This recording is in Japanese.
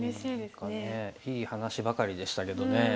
何かねいい話ばかりでしたけどね。